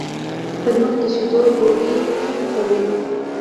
تنور د شیدو ډوډۍ ښه پخوي